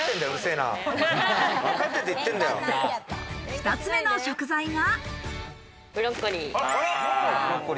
二つ目の食材が。